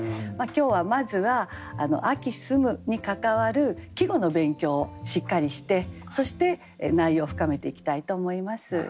今日はまずは「秋澄む」に関わる季語の勉強をしっかりしてそして内容を深めていきたいと思います。